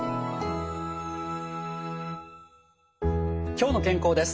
「きょうの健康」です。